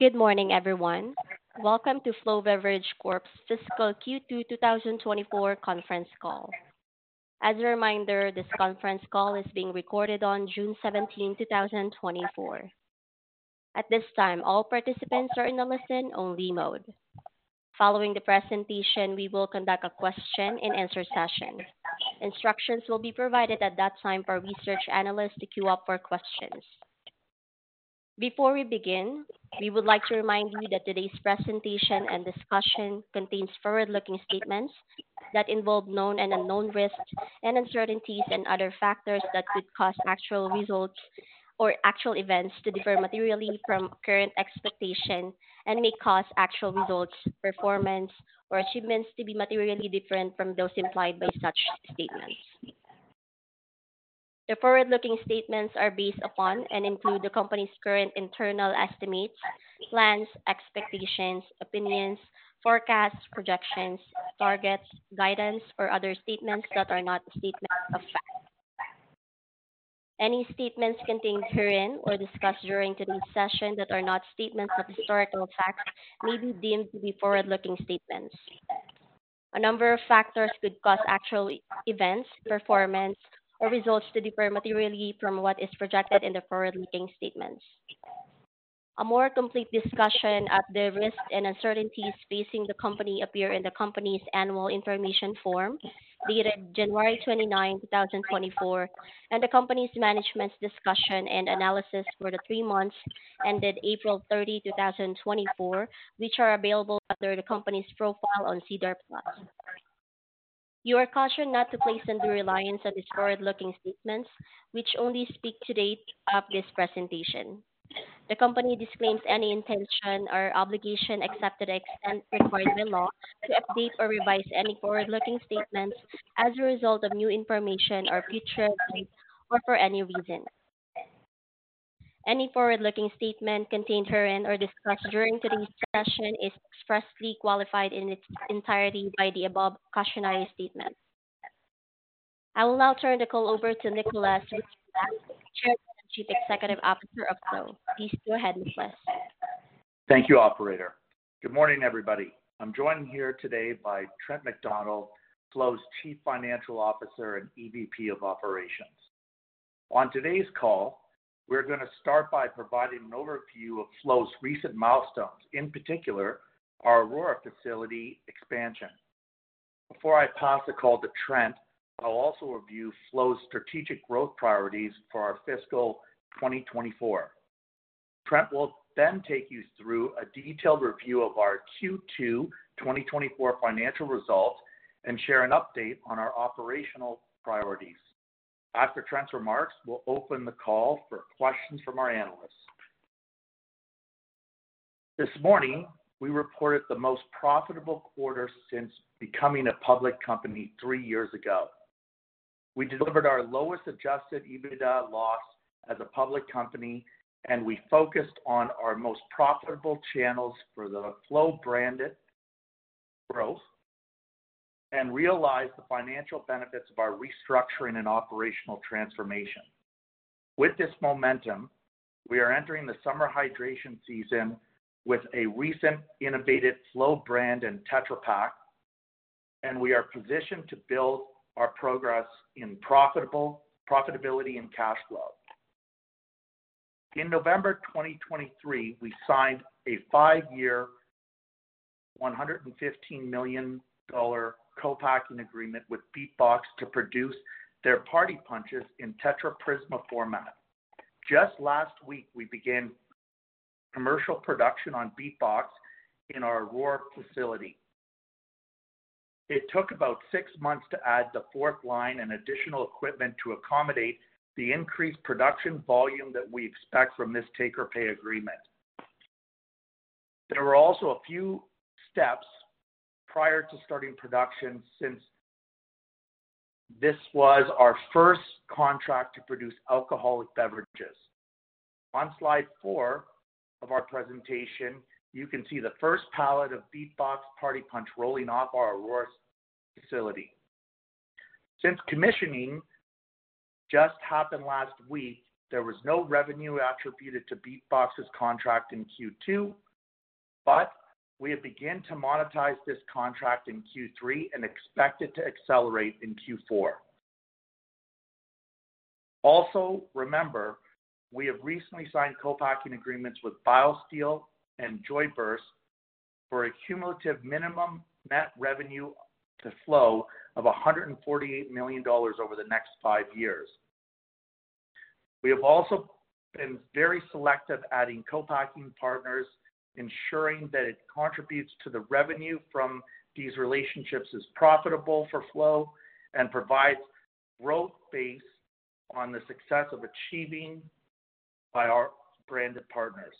Good morning, everyone. Welcome to Flow Beverage Corp's Fiscal Q2 2024 conference call. As a reminder, this conference call is being recorded on June 17, 2024. At this time, all participants are in the listen-only mode. Following the presentation, we will conduct a question-and-answer session. Instructions will be provided at that time for research analysts to queue up for questions. Before we begin, we would like to remind you that today's presentation and discussion contains forward-looking statements that involve known and unknown risks and uncertainties and other factors that could cause actual results or actual events to differ materially from current expectations and may cause actual results, performance, or achievements to be materially different from those implied by such statements. The forward-looking statements are based upon and include the company's current internal estimates, plans, expectations, opinions, forecasts, projections, targets, guidance, or other statements that are not statements of fact. Any statements contained during or discussed during today's session that are not statements of historical facts may be deemed to be forward-looking statements. A number of factors could cause actual events, performance, or results to differ materially from what is projected in the forward-looking statements. A more complete discussion of the risks and uncertainties facing the company appears in the company's annual information form dated January 29, 2024, and the company's management's discussion and analysis for the three months ended April 30, 2024, which are available under the company's profile on SEDAR+. You are cautioned not to place any reliance on these forward-looking statements, which only speak to date of this presentation. The company disclaims any intention or obligation except to the extent required by law to update or revise any forward-looking statements as a result of new information or future needs or for any reason. Any forward-looking statement contained during or discussed during today's session is expressly qualified in its entirety by the above cautionary statements. I will now turn the call over to Nicholas Reichenbach, Chairman and Chief Executive Officer of Flow. Please go ahead, Nicholas. Thank you, Operator. Good morning, everybody. I'm joined here today by Trent MacDonald, Flow's Chief Financial Officer and EVP of Operations. On today's call, we're going to start by providing an overview of Flow's recent milestones, in particular our Aurora facility expansion. Before I pass the call to Trent, I'll also review Flow's strategic growth priorities for our fiscal 2024. Trent will then take you through a detailed review of our Q2 2024 financial results and share an update on our operational priorities. After Trent's remarks, we'll open the call for questions from our analysts. This morning, we reported the most profitable quarter since becoming a public company three years ago. We delivered our lowest adjusted EBITDA loss as a public company, and we focused on our most profitable channels for the Flow branded growth and realized the financial benefits of our restructuring and operational transformation. With this momentum, we are entering the summer hydration season with a recent innovative Flow brand and Tetra Pak, and we are positioned to build our progress in profitability and cash flow. In November 2023, we signed a five-year $115 million co-packing agreement with BeatBox to produce their Party Punches in Tetra Prisma format. Just last week, we began commercial production on BeatBox in our Aurora facility. It took about six months to add the fourth line and additional equipment to accommodate the increased production volume that we expect from this take-or-pay agreement. There were also a few steps prior to starting production since this was our first contract to produce alcoholic beverages. On slide four of our presentation, you can see the first pallet of BeatBox Party Punch rolling off our Aurora facility. Since commissioning just happened last week, there was no revenue attributed to BeatBox's contract in Q2, but we have begun to monetize this contract in Q3 and expect it to accelerate in Q4. Also, remember, we have recently signed co-packing agreements with BioSteel and Joyburst for a cumulative minimum net revenue to Flow of $148 million over the next five years. We have also been very selective adding co-packing partners, ensuring that it contributes to the revenue from these relationships as profitable for Flow and provides growth base on the success of achieving by our branded partners.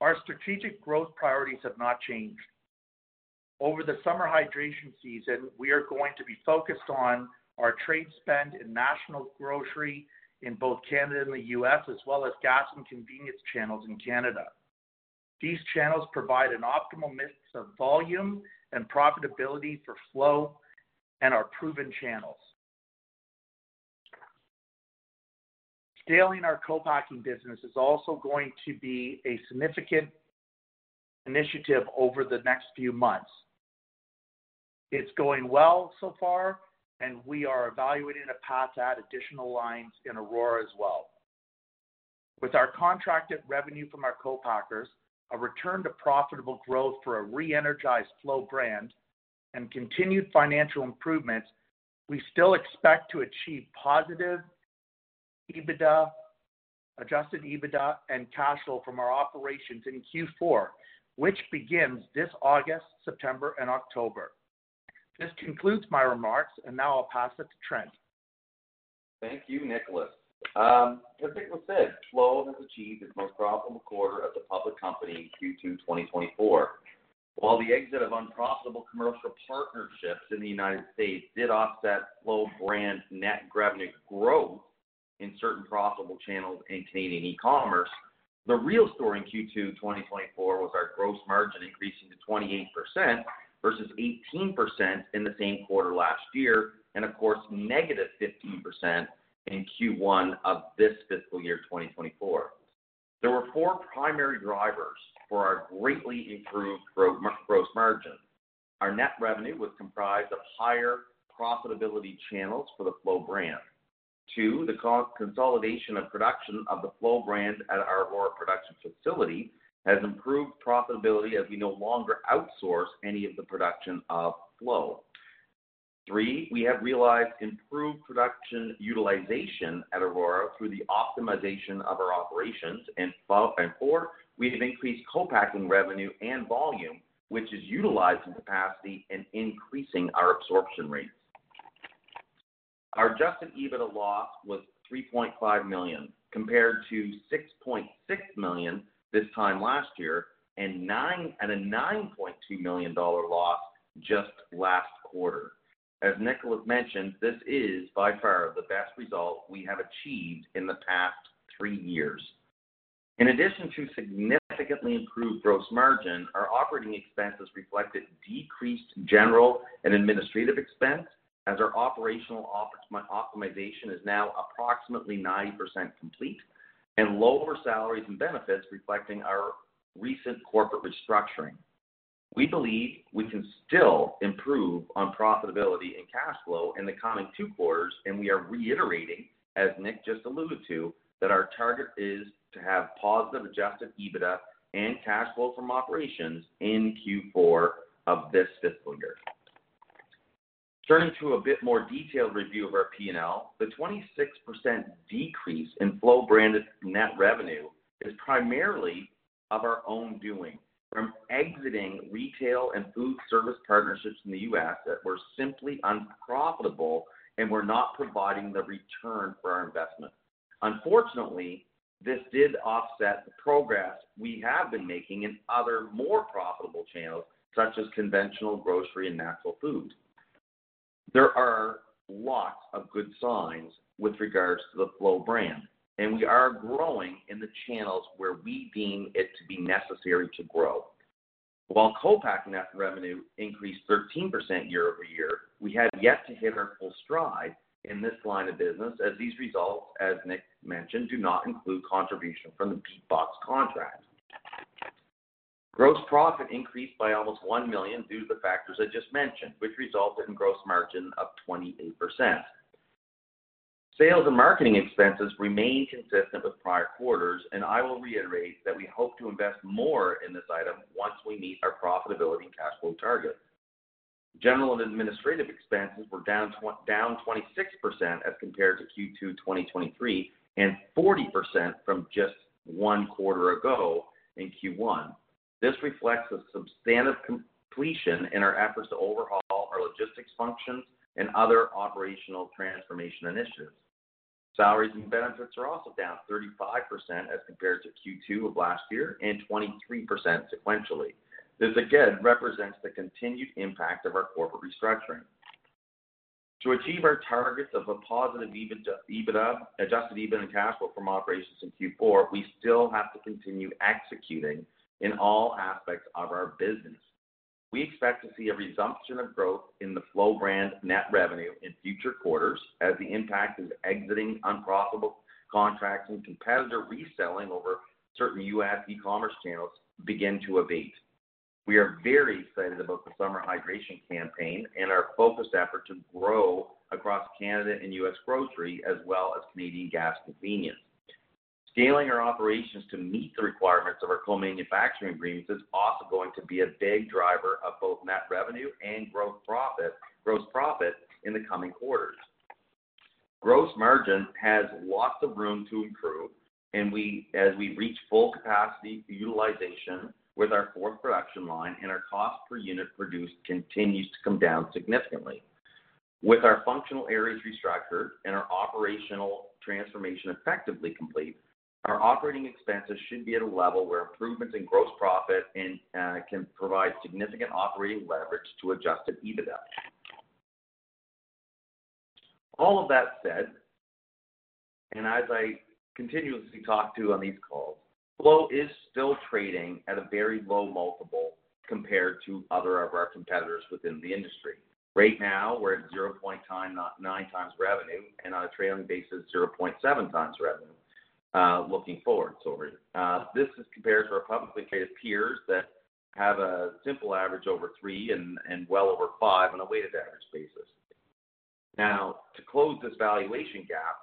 Our strategic growth priorities have not changed. Over the summer hydration season, we are going to be focused on our trade spend in national grocery in both Canada and the U.S., as well as gas and convenience channels in Canada. These channels provide an optimal mix of volume and profitability for Flow and our proven channels. Scaling our co-packing business is also going to be a significant initiative over the next few months. It's going well so far, and we are evaluating a path to add additional lines in Aurora as well. With our contracted revenue from our co-packers, a return to profitable growth for a re-energized Flow brand, and continued financial improvements, we still expect to achieve positive EBITDA, adjusted EBITDA, and cash flow from our operations in Q4, which begins this August, September, and October. This concludes my remarks, and now I'll pass it to Trent. Thank you, Nicholas. As Nicholas said, Flow has achieved its most profitable quarter as a public company in Q2 2024. While the exit of unprofitable commercial partnerships in the United States did offset Flow brand net revenue growth in certain profitable channels and Canadian e-commerce, the real story in Q2 2024 was our gross margin increasing to 28% versus 18% in the same quarter last year, and of course, -15% in Q1 of this fiscal year 2024. There were four primary drivers for our greatly improved gross margin. Our net revenue was comprised of higher profitability channels for the Flow brand. Two, the consolidation of production of the Flow brand at our Aurora production facility has improved profitability as we no longer outsource any of the production of Flow. Three, we have realized improved production utilization at Aurora through the optimization of our operations. And four, we have increased co-packing revenue and volume, which is utilized in capacity and increasing our absorption rates. Our adjusted EBITDA loss was $3.5 million compared to $6.6 million this time last year and a $9.2 million loss just last quarter. As Nicholas mentioned, this is by far the best result we have achieved in the past three years. In addition to significantly improved gross margin, our operating expenses reflected decreased general and administrative expense as our operational optimization is now approximately 90% complete and lower salaries and benefits reflecting our recent corporate restructuring. We believe we can still improve on profitability and cash flow in the coming two quarters, and we are reiterating, as Nick just alluded to, that our target is to have positive adjusted EBITDA and cash flow from operations in Q4 of this fiscal year. Turning to a bit more detailed review of our P&L, the 26% decrease in Flow branded net revenue is primarily of our own doing from exiting retail and food service partnerships in the U.S. that were simply unprofitable and were not providing the return for our investment. Unfortunately, this did offset the progress we have been making in other more profitable channels such as conventional grocery and natural food. There are lots of good signs with regards to the Flow brand, and we are growing in the channels where we deem it to be necessary to grow. While co-packing net revenue increased 13% year-over-year, we have yet to hit our full stride in this line of business as these results, as Nick mentioned, do not include contribution from the BeatBox contract. Gross profit increased by almost $1 million due to the factors I just mentioned, which resulted in gross margin of 28%. Sales and marketing expenses remain consistent with prior quarters, and I will reiterate that we hope to invest more in this item once we meet our profitability and cash flow target. General and administrative expenses were down 26% as compared to Q2 2023 and 40% from just one quarter ago in Q1. This reflects a substantive completion in our efforts to overhaul our logistics functions and other operational transformation initiatives. Salaries and benefits are also down 35% as compared to Q2 of last year and 23% sequentially. This, again, represents the continued impact of our corporate restructuring. To achieve our targets of a positive EBITDA, adjusted EBITDA and cash flow from operations in Q4, we still have to continue executing in all aspects of our business. We expect to see a resumption of growth in the Flow brand net revenue in future quarters as the impact of exiting unprofitable contracts and competitor reselling over certain U.S. e-commerce channels begins to abate. We are very excited about the summer hydration campaign and our focused effort to grow across Canada and U.S. grocery as well as Canadian gas convenience. Scaling our operations to meet the requirements of our co-manufacturing agreements is also going to be a big driver of both net revenue and gross profit in the coming quarters. Gross margin has lots of room to improve, and as we reach full capacity utilization with our fourth production line and our cost per unit produced continues to come down significantly. With our functional areas restructured and our operational transformation effectively complete, our operating expenses should be at a level where improvements in gross profit can provide significant operating leverage to adjusted EBITDA. All of that said, and as I continuously talk to you on these calls, Flow is still trading at a very low multiple compared to other of our competitors within the industry. Right now, we're at 0.9 times revenue and on a trailing basis, 0.7 times revenue looking forward. This is compared to our publicly traded peers that have a simple average over three and well over five on a weighted average basis. Now, to close this valuation gap,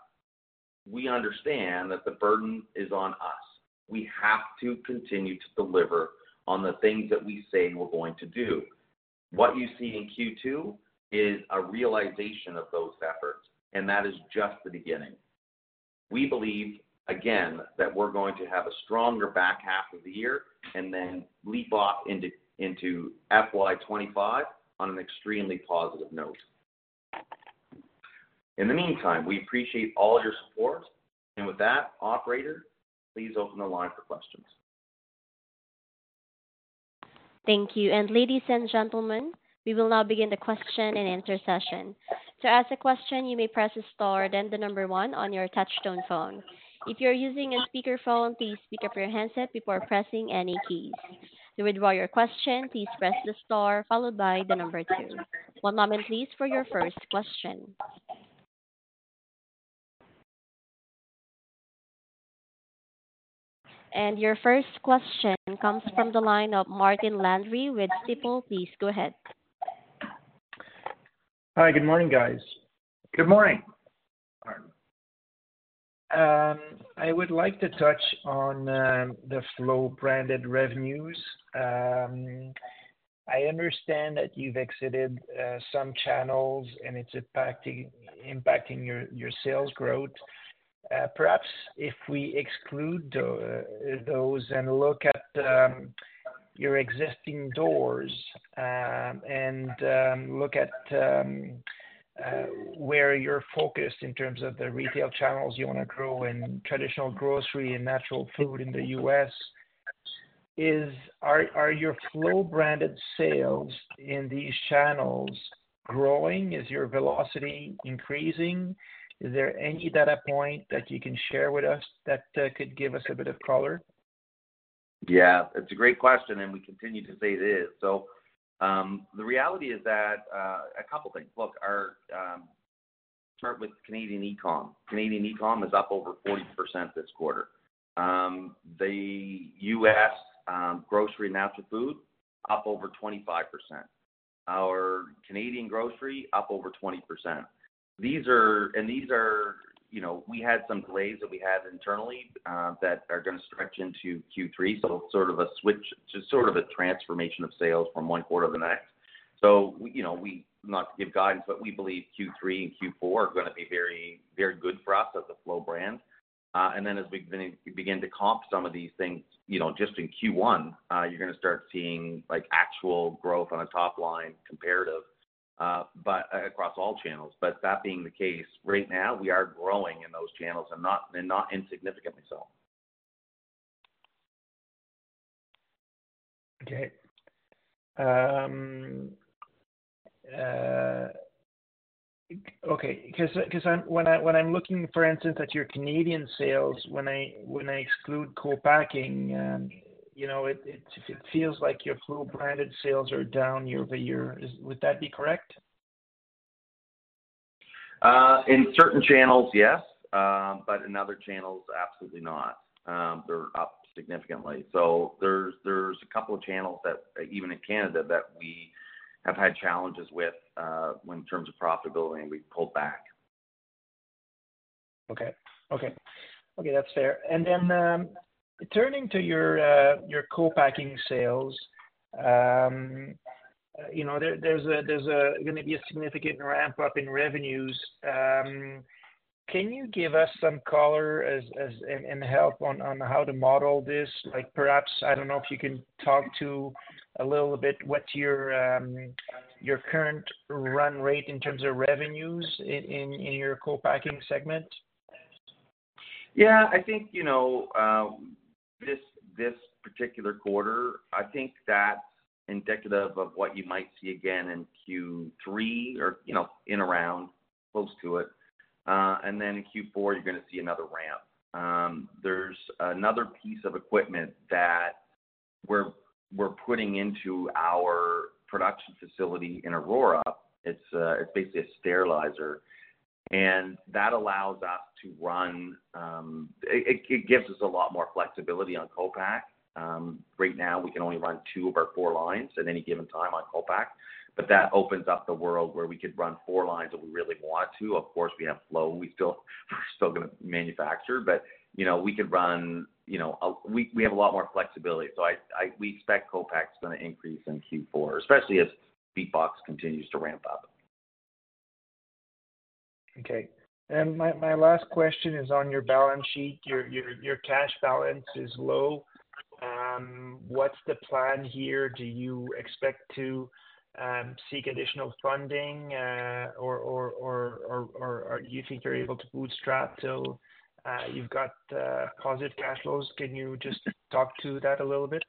we understand that the burden is on us. We have to continue to deliver on the things that we say we're going to do. What you see in Q2 is a realization of those efforts, and that is just the beginning. We believe, again, that we're going to have a stronger back half of the year and then leap off into FY 2025 on an extremely positive note. In the meantime, we appreciate all your support. And with that, Operator, please open the line for questions. Thank you. Ladies and gentlemen, we will now begin the question and answer session. To ask a question, you may press the star then the number one on your touch-tone phone. If you're using a speakerphone, please speak up your handset before pressing any keys. To withdraw your question, please press the star followed by the number two. One moment, please, for your first question. Your first question comes from the line of Martin Landry with Stifel. Please go ahead. Hi, good morning, guys. Good morning. I would like to touch on the Flow branded revenues. I understand that you've exited some channels and it's impacting your sales growth. Perhaps if we exclude those and look at your existing doors and look at where you're focused in terms of the retail channels you want to grow in traditional grocery and natural food in the U.S., are your Flow-branded sales in these channels growing? Is your velocity increasing? Is there any data point that you can share with us that could give us a bit of color? Yeah, it's a great question, and we continue to say it is. So the reality is that a couple of things. Look, start with Canadian e-com. Canadian e-com is up over 40% this quarter. The U.S. grocery and natural food up over 25%. Our Canadian grocery up over 20%. And these are we had some delays that we had internally that are going to stretch into Q3, so sort of a switch, sort of a transformation of sales from one quarter to the next. So not to give guidance, but we believe Q3 and Q4 are going to be very, very good for us as a Flow brand. And then as we begin to comp some of these things just in Q1, you're going to start seeing actual growth on a top-line comparative across all channels. But that being the case, right now, we are growing in those channels and not insignificantly so. Okay. Okay. Because when I'm looking, for instance, at your Canadian sales, when I exclude co-packing, it feels like your Flow-branded sales are down year-over-year. Would that be correct? In certain channels, yes, but in other channels, absolutely not. They're up significantly. There's a couple of channels that even in Canada that we have had challenges with in terms of profitability, and we've pulled back. Okay. Okay. Okay. That's fair. And then turning to your co-packing sales, there's going to be a significant ramp-up in revenues. Can you give us some color and help on how to model this? Perhaps, I don't know if you can talk to a little bit what your current run rate in terms of revenues in your co-packing segment? Yeah. I think this particular quarter, I think that's indicative of what you might see again in Q3 or in around, close to it. And then in Q4, you're going to see another ramp. There's another piece of equipment that we're putting into our production facility in Aurora. It's basically a sterilizer, and that allows us to run. It gives us a lot more flexibility on co-pack. Right now, we can only run two of our four lines at any given time on co-pack, but that opens up the world where we could run four lines if we really wanted to. Of course, we have Flow. We're still going to manufacture, but we could run. We have a lot more flexibility. So we expect co-pack is going to increase in Q4, especially as BeatBox continues to ramp up. Okay. My last question is on your balance sheet. Your cash balance is low. What's the plan here? Do you expect to seek additional funding, or do you think you're able to bootstrap till you've got positive cash flows? Can you just talk to that a little bit?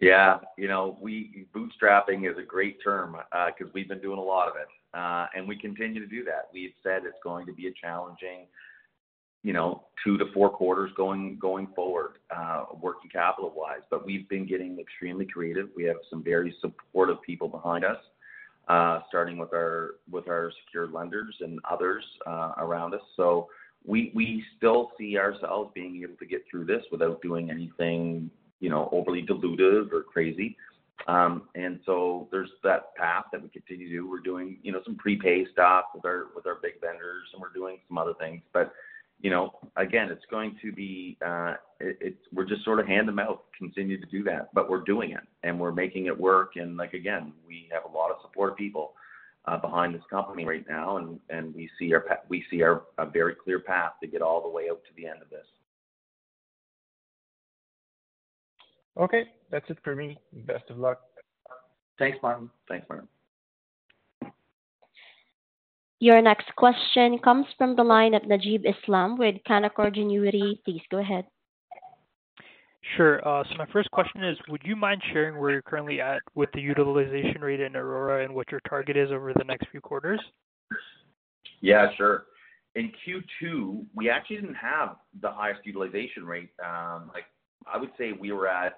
Yeah. Bootstrapping is a great term because we've been doing a lot of it, and we continue to do that. We've said it's going to be a challenging two-four quarters going forward, working capital-wise, but we've been getting extremely creative. We have some very supportive people behind us, starting with our secure lenders and others around us. So we still see ourselves being able to get through this without doing anything overly dilutive or crazy. And so there's that path that we continue to do. We're doing some prepay stuff with our big vendors, and we're doing some other things. But again, it's going to be we're just sort of handing them out, continue to do that, but we're doing it, and we're making it work. And again, we have a lot of supportive people behind this company right now, and we see a very clear path to get all the way out to the end of this. Okay. That's it for me. Best of luck. Thanks, Martin. Thanks, Martin. Your next question comes from the line of Najeeb Islam with Canaccord Genuity. Please go ahead. Sure. So my first question is, would you mind sharing where you're currently at with the utilization rate in Aurora and what your target is over the next few quarters? Yeah, sure. In Q2, we actually didn't have the highest utilization rate. I would say we were at,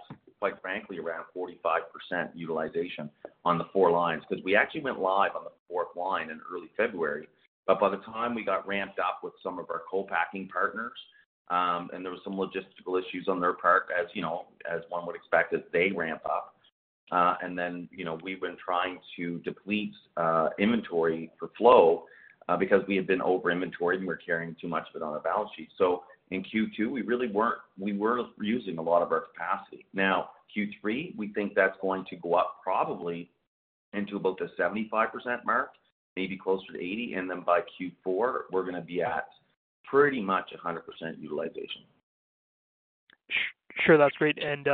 quite frankly, around 45% utilization on the four lines because we actually went live on the fourth line in early February. But by the time we got ramped up with some of our co-packing partners, and there were some logistical issues on their part, as one would expect as they ramp up. And then we've been trying to deplete inventory for Flow because we had been over-inventory and we're carrying too much of it on our balance sheet. So in Q2, we were using a lot of our capacity. Now, Q3, we think that's going to go up probably into about the 75% mark, maybe closer to 80%. And then by Q4, we're going to be at pretty much 100% utilization. Sure. That's great. And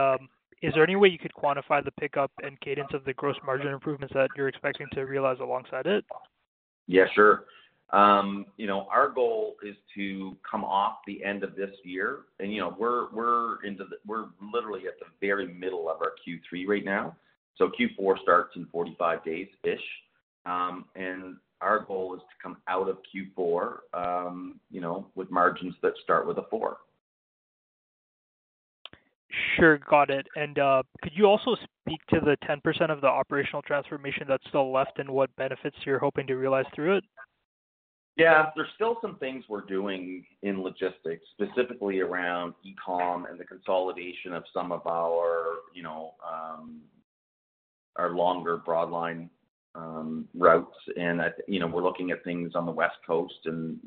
is there any way you could quantify the pickup and cadence of the gross margin improvements that you're expecting to realize alongside it? Yeah, sure. Our goal is to come off the end of this year. And we're literally at the very middle of our Q3 right now. So Q4 starts in 45 days-ish. And our goal is to come out of Q4 with margins that start with a four. Sure. Got it. Could you also speak to the 10% of the operational transformation that's still left and what benefits you're hoping to realize through it? Yeah. There's still some things we're doing in logistics, specifically around e-com and the consolidation of some of our longer broadline routes. And we're looking at things on the West Coast and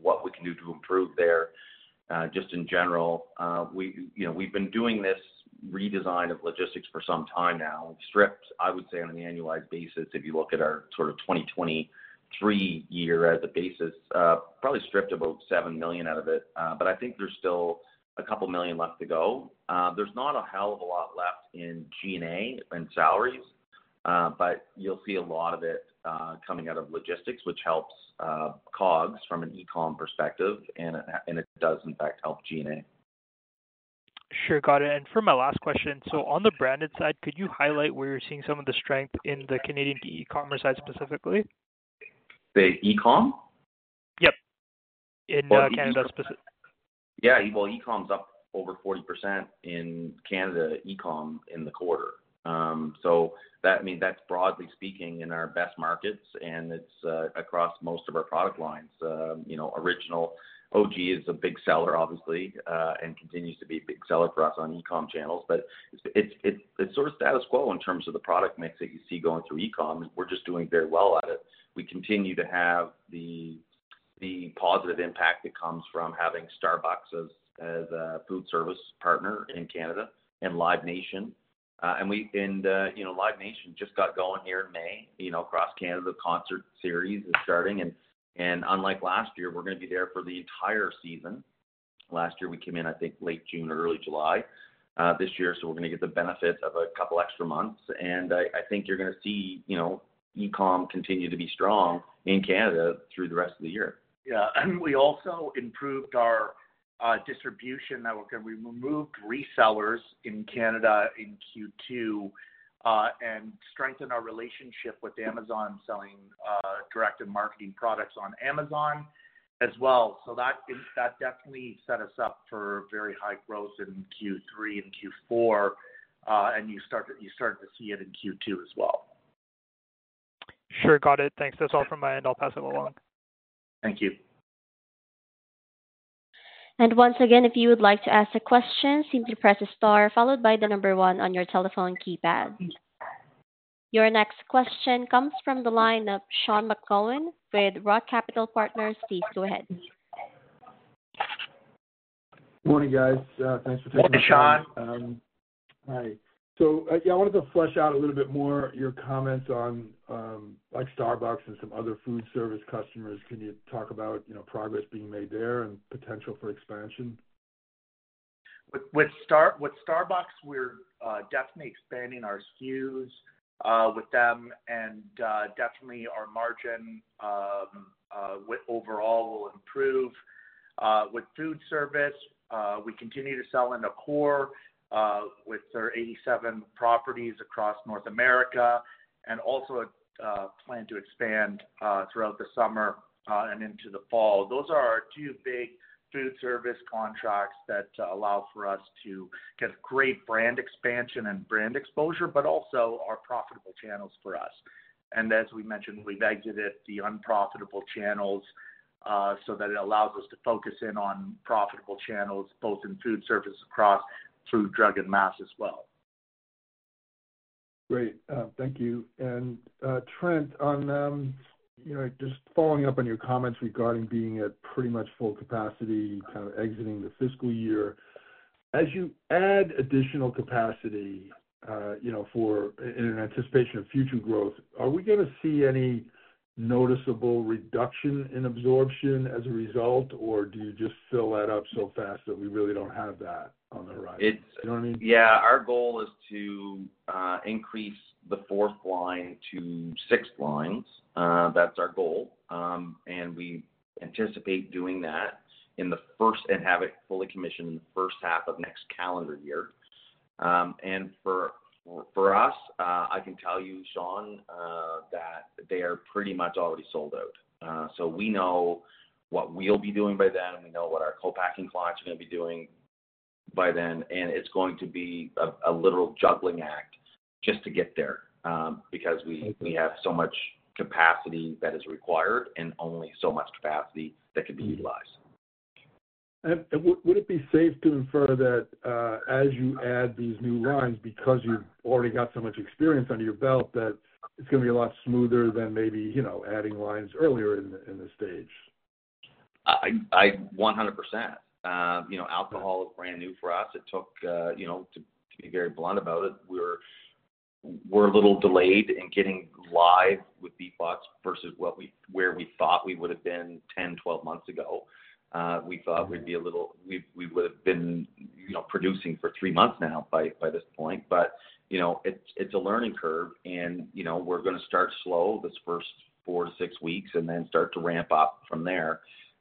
what we can do to improve there just in general. We've been doing this redesign of logistics for some time now. We've stripped, I would say, on an annualized basis. If you look at our sort of 2023 year as a basis, probably stripped about $7 million out of it. But I think there's still a couple of million left to go. There's not a hell of a lot left in G&A and salaries, but you'll see a lot of it coming out of logistics, which helps COGS from an e-com perspective, and it does, in fact, help G&A. Sure. Got it. For my last question, so on the branded side, could you highlight where you're seeing some of the strength in the Canadian e-commerce side specifically? The e-com? Yep. In Canada specifically. Yeah. Well, e-com is up over 40% in Canada e-com in the quarter. So that means that's broadly speaking in our best markets, and it's across most of our product lines. Original OG is a big seller, obviously, and continues to be a big seller for us on e-com channels. But it's sort of status quo in terms of the product mix that you see going through e-com. We're just doing very well at it. We continue to have the positive impact that comes from having Starbucks as a food service partner in Canada and Live Nation. And Live Nation just got going here in May. Across Canada, the concert series is starting. And unlike last year, we're going to be there for the entire season. Last year, we came in, I think, late June or early July. This year, so we're going to get the benefits of a couple of extra months. I think you're going to see e-com continue to be strong in Canada through the rest of the year. Yeah. We also improved our distribution that we're going to remove resellers in Canada in Q2 and strengthen our relationship with Amazon selling direct-to-market products on Amazon as well. That definitely set us up for very high growth in Q3 and Q4, and you started to see it in Q2 as well. Sure. Got it. Thanks. That's all from my end. I'll pass it along. Thank you. Once again, if you would like to ask a question, simply press the star followed by the number one on your telephone keypad. Your next question comes from the line of Sean McGowan with Roth Capital Partners. Please go ahead. Good morning, guys. Thanks for taking the time. Hey, Sean. Hi. So yeah, I wanted to flesh out a little bit more your comments on Starbucks and some other food service customers. Can you talk about progress being made there and potential for expansion? With Starbucks, we're definitely expanding our SKUs with them, and definitely our margin overall will improve. With food service, we continue to sell in Accor with our 87 properties across North America and also plan to expand throughout the summer and into the fall. Those are our two big food service contracts that allow for us to get great brand expansion and brand exposure, but also are profitable channels for us. And as we mentioned, we've exited the unprofitable channels so that it allows us to focus in on profitable channels both in food service across food, drug, and mass as well. Great. Thank you. And Trent, on just following up on your comments regarding being at pretty much full capacity, kind of exiting the fiscal year, as you add additional capacity in anticipation of future growth, are we going to see any noticeable reduction in absorption as a result, or do you just fill that up so fast that we really don't have that on the horizon? You know what I mean? Yeah. Our goal is to increase the fourth line to six lines. That's our goal, and we anticipate doing that in the first and have it fully commissioned in the first half of next calendar year. And for us, I can tell you, Sean, that they are pretty much already sold out. So we know what we'll be doing by then. We know what our co-packing clients are going to be doing by then, and it's going to be a literal juggling act just to get there because we have so much capacity that is required and only so much capacity that can be utilized. Would it be safe to infer that as you add these new lines, because you've already got so much experience under your belt, that it's going to be a lot smoother than maybe adding lines earlier in this stage? 100%. Alcohol is brand new for us. It took, to be very blunt about it, we're a little delayed in getting live with BeatBox versus where we thought we would have been 10, 12 months ago. We thought we'd be a little we would have been producing for three months now by this point, but it's a learning curve, and we're going to start slow this first four-six weeks and then start to ramp up from there.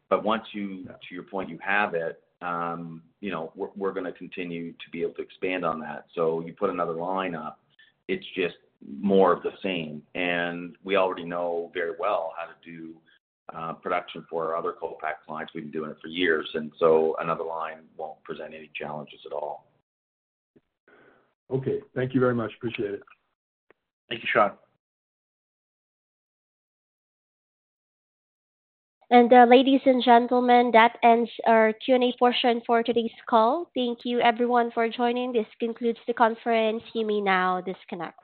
But once you, to your point, you have it, we're going to continue to be able to expand on that. So you put another line up, it's just more of the same. And we already know very well how to do production for our other co-pack clients. We've been doing it for years, and so another line won't present any challenges at all. Okay. Thank you very much. Appreciate it. Thank you, Sean. Ladies and gentlemen, that ends our Q&A portion for today's call. Thank you, everyone, for joining. This concludes the conference. You may now disconnect.